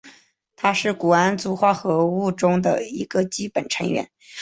它是钴胺族化合物中的一个基本成员。